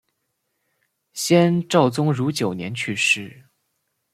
先赵宗儒九年去世。